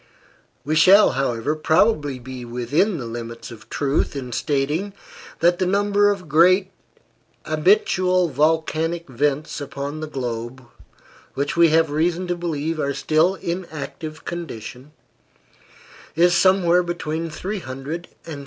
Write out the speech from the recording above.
We shall, however, probably be within the limits of truth in stating that the number of great habitual volcanic vents upon the globe which we have reason to believe are still in active condition, is somewhere between 300 and 350.